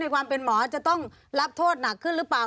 ความเป็นหมอจะต้องรับโทษหนักขึ้นหรือเปล่า